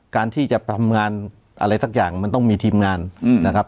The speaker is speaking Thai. การที่จะทำงานอะไรสักอย่างมันต้องมีทีมงานนะครับ